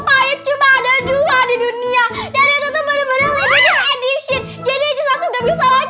paling cuma ada dua di dunia dan itu tuh bener bener lebih di edition